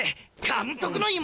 監督の妹！？